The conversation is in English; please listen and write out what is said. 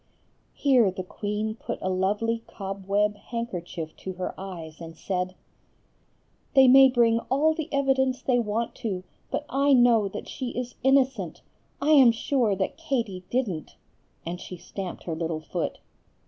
Here the queen put a lovely cobweb handkerchief to her eyes, and said:— "They may bring all the evidence they want to, but I know that she is innocent; I am sure that Katie didn't;" and she stamped her little foot.